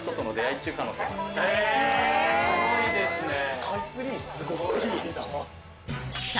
スカイツリー、すごいな。